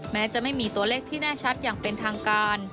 แม้จะไม่มีตัวเลขที่แน่ชัดอย่างเป็นทางการ